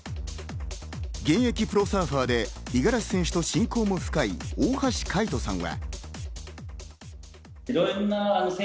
現役プロサーファーで五十嵐選手と親交も深い大橋海人さんは。